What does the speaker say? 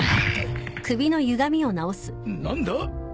何だ？